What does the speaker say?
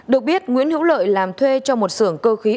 được biết nguyễn hữu lợi làm thuê cho một xưởng cơ khí